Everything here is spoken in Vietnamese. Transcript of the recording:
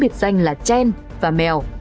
trên là chen và mèo